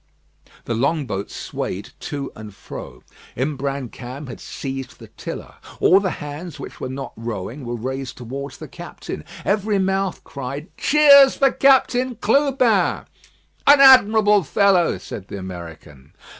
The long boat swayed to and fro. Imbrancam had seized the tiller. All the hands which were not rowing were raised towards the captain every mouth cried, "Cheers for Captain Clubin." "An admirable fellow!" said the American.